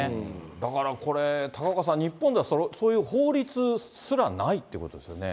だからこれ、高岡さん、日本ではそういう法律すらないということですよね。